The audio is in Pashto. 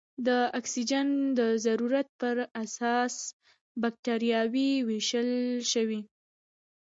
د اکسیجن د ضرورت په اساس بکټریاوې ویشل شوې.